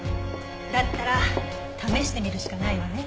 だったら試してみるしかないわね。